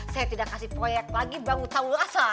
saya tidak kasih proyek lagi bangun tahu rasa